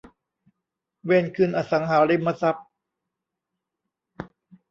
เวนคืนอสังหาริมทรัพย์